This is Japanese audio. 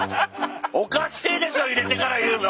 おかしいでしょ入れてから言うの。